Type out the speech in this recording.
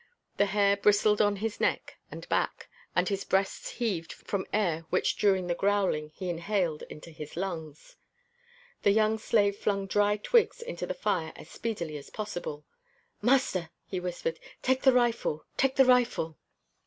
The hair bristled on his neck and back and his breasts heaved from air which during the growling he inhaled into his lungs. The young slave flung dry twigs into the fire as speedily as possible. "Master," he whispered. "Take the rifle! Take the rifle!"